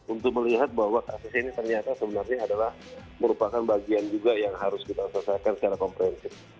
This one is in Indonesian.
untuk melihat bahwa kasus ini ternyata sebenarnya adalah merupakan bagian juga yang harus kita selesaikan secara komprehensif